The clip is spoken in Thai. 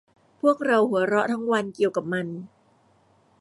พวกเราหัวเราะทั้งวันเกี่ยวกับมัน